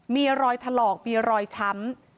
มีรอยถลอกมีรอยช้ำ